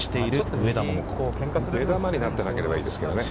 目玉になってなければいいですけどね。